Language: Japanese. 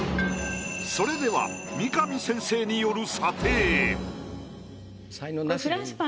それでは三上先生による。